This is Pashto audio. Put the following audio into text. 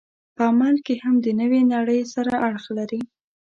په عمل کې هم د نوې نړۍ سره اړخ لري.